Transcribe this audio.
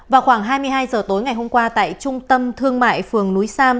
vào khoảng hai mươi hai h tối ngày hôm qua tại trung tâm thương mại phường núi sam